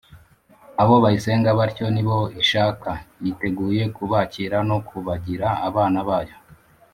. Abo bayisenga batyo ni bo ishaka. Yiteguye kubakira, no kubagira abana bayo.